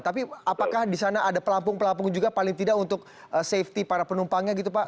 tapi apakah di sana ada pelampung pelampung juga paling tidak untuk safety para penumpangnya gitu pak